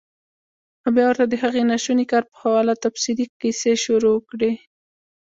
او بيا ورته د هغې ناشوني کار پۀ حواله تفصيلي قيصې شورو کړي -